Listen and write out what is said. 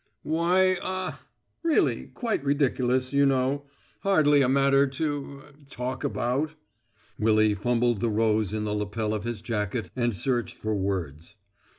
"Why ah really quite ridiculous, you know. Hardly a matter to ah talk about." Willy fumbled the rose in the lapel of his jacket and searched for words.